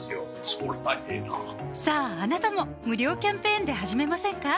そりゃええなさぁあなたも無料キャンペーンで始めませんか？